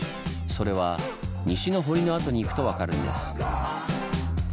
それは西の堀の跡に行くと分かるんです。